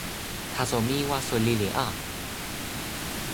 taso mi waso lili a.